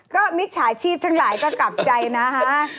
ก็มิจฉาชีพทั้งหลายก็กลับใจนะฮะ